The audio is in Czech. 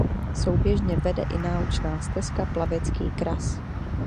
Souběžně vede i naučná stezka Plavecký kras.